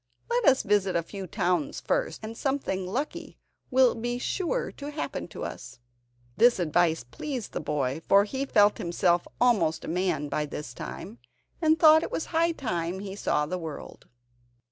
Let us visit a few towns first, and something lucky will be sure to happen to us." This advice pleased the boy, for he felt himself almost a man by this time, and thought it was high time he saw the world.